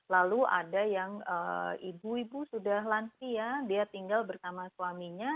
lalu ada yang ibu ibu sudah lansia dia tinggal bersama suaminya